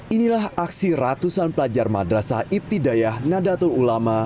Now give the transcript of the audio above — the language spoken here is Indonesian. inilah aksi ratusan pelajar madrasah ibtidayah nadatul ulama